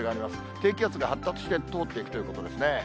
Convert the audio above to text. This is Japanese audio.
低気圧が発達して通っていくということですね。